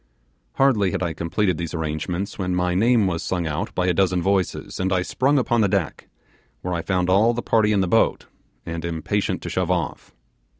Hardly had I completed these arrangements when my name was sung out by a dozen voices, and I sprung upon the deck, where I found all the party in the boat, and impatient to shove off.